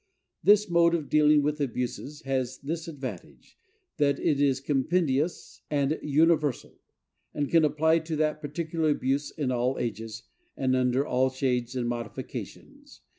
This mode of dealing with abuses has this advantage, that it is compendious and universal, and can apply to that particular abuse in all ages, and under all shades and modifications.